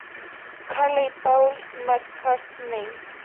Cale y Paul McCartney.